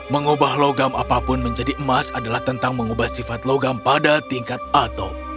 mengubah logam apapun menjadi emas adalah tentang mengubah sifat logam pada tingkat atom